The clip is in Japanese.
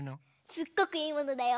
すっごくいいものだよ。